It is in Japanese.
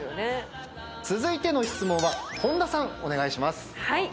続いての質問は本田さんお願いします。